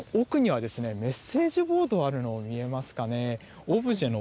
奥にはメッセージボード、あるのが見えますかね。